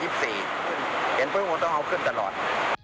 อุณหัวต้องเอาขึ้นตลอด